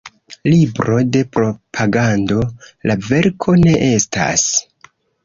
Libro de propagando la verko ne estas.